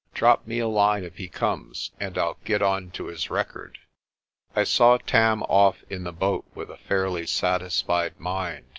Drop me a line if he comes, and I'll get on to his record." I saw Tam off in the boat with a fairly satisfied mind.